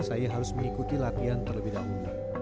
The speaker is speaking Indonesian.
saya harus mengikuti latihan terlebih dahulu